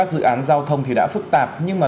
sen không chỉ để ngắm